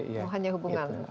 bukan hanya hubungan